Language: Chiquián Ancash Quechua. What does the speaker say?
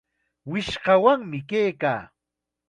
Wishqawanmi kaykaa.